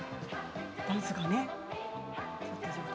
ダンスがね。